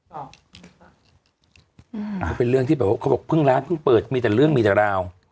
ก็เป็นเรื่องที่แบบว่าเขาบอกเพิ่งร้านเพิ่งเปิดมีแต่เรื่องมีแต่ราว